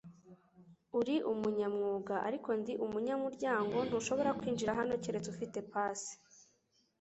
Uri umunyamwuga, ariko ndi umunyamurwango. Ntushobora kwinjira hano keretse ufite pass.